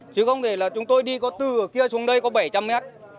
chứ không thể là chúng tôi đi có từ ở kia xuống đây có bảy trăm linh mét